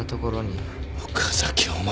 岡崎お前。